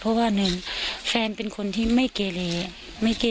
เพราะว่าหนึ่งแฟนเป็นคนที่ไม่เกเล